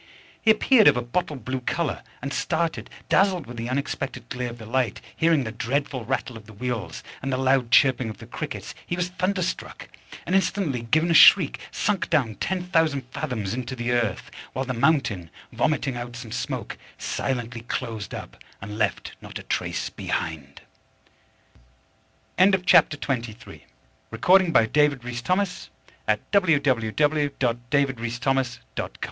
He appeared of a bottle blue colour, and started, dazzled with the unexpected glare of the light: hearing the dreadful rattle of the wheels, and the loud chirping of the crickets, he was thunder struck, and instantly giving a shriek, sunk down ten thousand fathoms into the earth, while the mountain, vomiting out some smoke, silently closed up, and left not a trace behind! CHAPTER XXIV _The Baron secures his chariot, &c., at the Cape and takes his passage fo